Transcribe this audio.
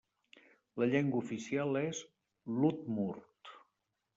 La llengua oficial és: l'udmurt.